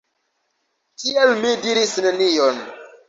Tial mi diris nenion.